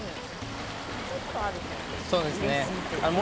ちょっとあるとうれしいですね。